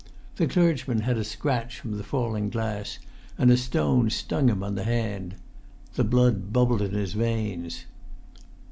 The clergyman had a scratch from the falling glass, and a stone stung him on the hand. The blood bubbled in his veins.